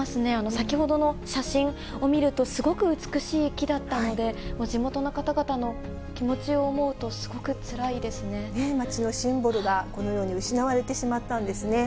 先ほどの写真を見ると、すごく美しい木だったので、地元の方々の気持ちを思うと、街のシンボルがこのように失われてしまったんですね。